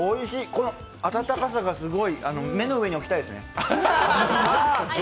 この温かさがすごい、目の上に置きたいですね。